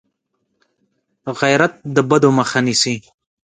غیرت د بدو مخه نیسي